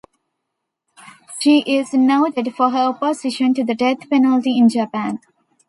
She is noted for her opposition to the death penalty in Japan.